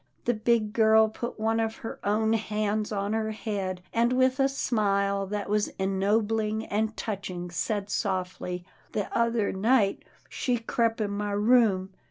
The big girl put one of her own hands on her head, and with a smile that was ennobling and touching, said softly, " The other night, she crep' in my room.